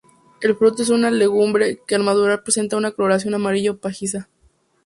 El fruto es una legumbre que al madurar presenta una coloración amarillo-pajiza.